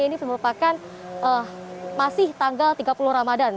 ini merupakan masih tanggal tiga puluh ramadan